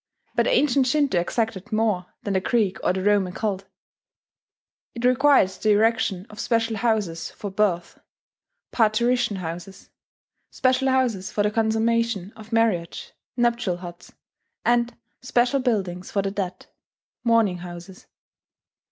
But ancient Shinto exacted more than the Greek or the Roman cult: it required the erection of special houses for birth, "parturition houses"; special houses for the consummation of marriage, "nuptial huts"; and special buildings for the dead, "mourning houses."